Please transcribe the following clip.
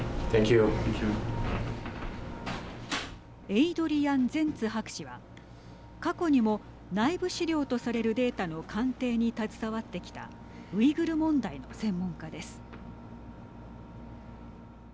エイドリアン・ゼンツ博士は過去にも内部資料とされるデータの鑑定に携わってきたウイグル問題の専門家です。